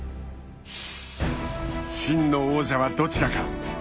真の王者はどちらか。